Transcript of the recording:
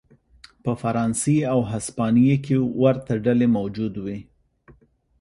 په فرانسې او هسپانیې کې ورته ډلې موجود وې.